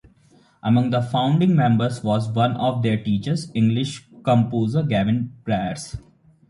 Among the founding members was one of their teachers, English composer Gavin Bryars.